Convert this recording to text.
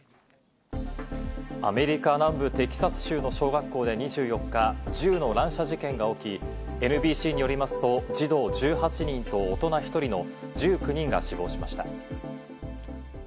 アメリカ・南部テキサス州の小学校で２４日、銃の乱射事件が起き、ＮＢＣによりますと児童１８人と大人１人の１９人が死亡しました。